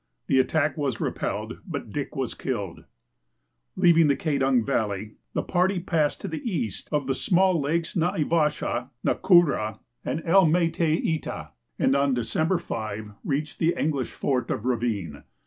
The attack was repelled, but Dick was killeil. Leaving the Kedong valley, the party passed to the east of the small lakes Naivaslia, Nakuro, and Elmeteita, and on December "> reached the English fort of Ravine.